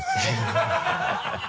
ハハハ